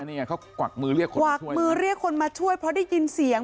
นี่ไงเขากวักมือเรียกคนกวักมือเรียกคนมาช่วยเพราะได้ยินเสียง